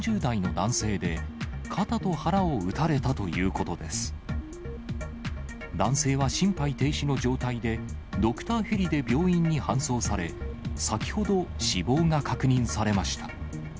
男性は心肺停止の状態で、ドクターヘリで病院に搬送され、先ほど、死亡が確認されました。